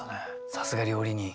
さすが料理人。